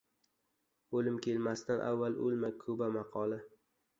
O‘lim kelmasidan avval o‘lma. Kuba maqoli